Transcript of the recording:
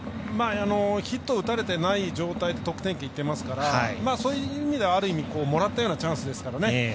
ヒット打たれてない状態で得点圏いってますからそういう意味ではある意味、もらったようなチャンスですからね。